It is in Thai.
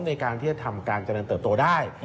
ในการที่จะทำการเจริญเติบโตได้